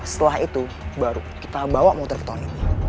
setelah itu baru kita bawa motor ke tori